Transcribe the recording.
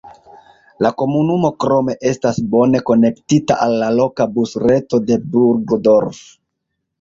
La komunumo krome estas bone konektita al la loka busreto de Burgdorf.